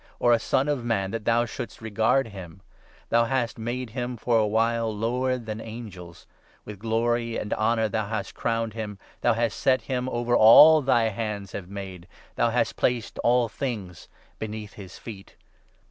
Or a Son of Man that thou should'st regard him ? Thou hast made him, for a while, lower than angels ; 7 With glory and honour thou hast crowned him ; Thou hast set him over all that thy hands have made ; Thou hast placed all things beneath his feet.'